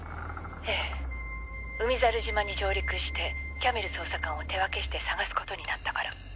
ええ海猿島に上陸してキャメル捜査官を手分けして捜す事になったから。